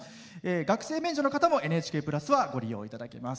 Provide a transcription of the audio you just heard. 学生免除の方も「ＮＨＫプラス」はご利用いただけます。